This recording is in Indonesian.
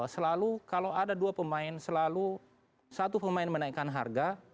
selalu kalau ada dua pemain selalu satu pemain menaikkan harga